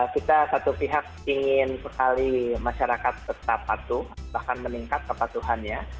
kita satu pihak ingin sekali masyarakat tetap patuh bahkan meningkat kepatuhannya